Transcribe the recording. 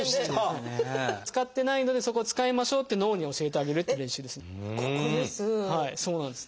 使ってないのでそこを使いましょうって脳に教えてあげるっていう練習ですね。